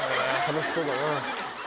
楽しそうだな。